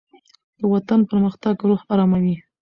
دوطن پرمختګ روح آراموي